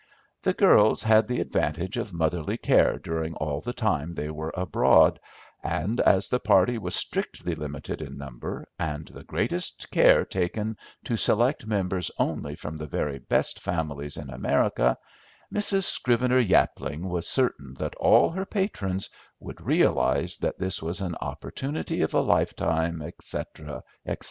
The girls had the advantage of motherly care during all the time they were abroad, and as the party was strictly limited in number, and the greatest care taken to select members only from the very best families in America, Mrs. Scrivener Yapling was certain that all her patrons would realise that this was an opportunity of a lifetime, etc., etc.